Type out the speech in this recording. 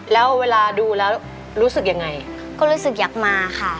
แล้วเวลาดูแล้วรู้สึกยังไงก็รู้สึกอยากมาค่ะ